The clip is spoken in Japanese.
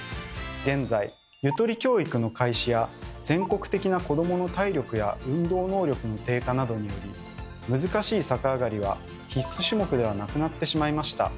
現在ゆとり教育の開始や全国的な子どもの体力や運動能力の低下などにより難しい逆上がりは必須種目ではなくなってしまいました。